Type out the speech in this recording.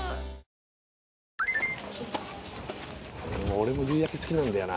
俺も夕焼け好きなんだよな。